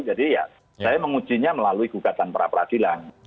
jadi ya saya mengujinya melalui gugatan perapradilan